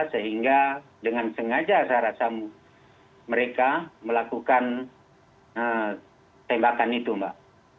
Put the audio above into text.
sehingga dengan sengaja saya rasa mereka melakukan tembakan itu mbak